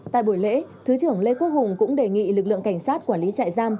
tại buổi lễ thứ trưởng lê quốc hùng cũng đề nghị lực lượng cảnh sát quản lý trại giam